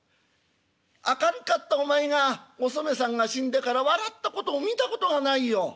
明るかったお前がおそめさんが死んでから笑ったことを見たことがないよ。